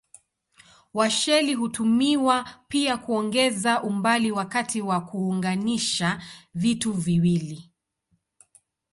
Washeli hutumiwa pia kuongeza umbali wakati wa kuunganisha vitu viwili.